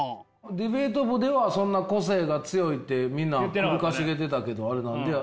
ディベート部ではそんな個性が強いってみんな首かしげてたけどあれ何でや？